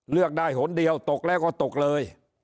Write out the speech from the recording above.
เลือกได้หนเดียวตกแล้วก็ตกเลย